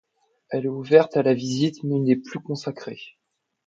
Elle est ouverte à la visite, mais n'est plus consacrée.